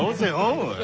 おい。